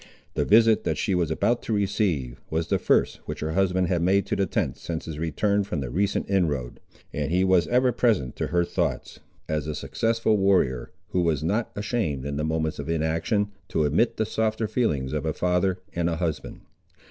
The visit that she was now about to receive, was the first which her husband had made to the tent since his return from the recent inroad, and he was ever present to her thoughts, as a successful warrior, who was not ashamed, in the moments of inaction, to admit the softer feelings of a father and a husband.